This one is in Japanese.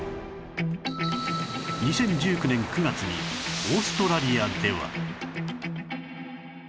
２０１９年９月にオーストラリアでは